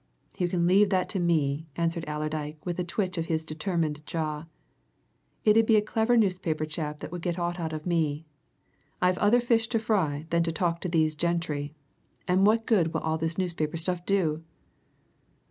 "You can leave that to me," answered Allerdyke, with a twitch of his determined jaw. "It 'ud be a clever newspaper chap that would get aught out of me. I've other fish to fry than to talk to these gentry. And what good will all this newspaper stuff do?"